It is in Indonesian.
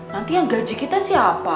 nanti yang gaji kita siapa